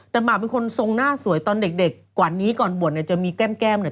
แต่หมากเป็นคนทรงหน้าสวยตอนเด็กกว่านี้ก่อนบวชเนี่ยจะมีแก้มแก้มเนี่ย